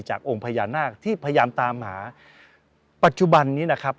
องค์พญานาคที่พยายามตามหาปัจจุบันนี้นะครับ